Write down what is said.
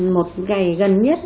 một ngày gần nhất